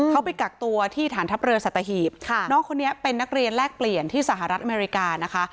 เขาไปกักตัวที่ฐานทัพเรือสัตหีบน้องคนนี้เป็นนักเรียนแลกเปลี่ยนที่สหรัฐอเมริกานะคะ